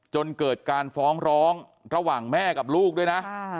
จนเกิดการฟ้องร้องระหว่างแม่กับลูกด้วยนะ